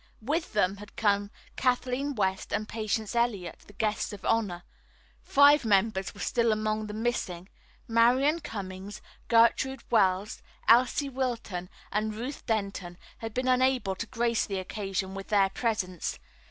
With them had come Kathleen West and Patience Eliot, the guests of honor. Five members were still among the missing. Marian Cummings, Gertrude Wells, Elsie Wilton and Ruth Denton had been unable to grace the occasion with their presence.